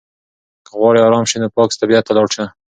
که غواړې ارام شې نو پاک طبیعت ته لاړ شه.